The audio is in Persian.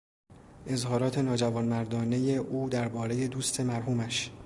اظهارات ناجوانمردانهی او دربارهی دوست مرحومش.